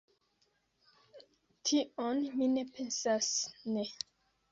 Tion mi ne pensas, ne!